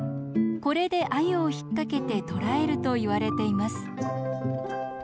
これでアユを引っ掛けて捕らえるといわれています。